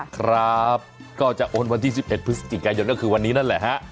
ครับก็จะโอนวันที่๑๑พฤศจิกายนก็คือวันนี้นั่นแหละฮะ